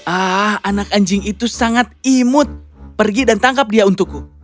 ah anak anjing itu sangat imut pergi dan tangkap dia untukku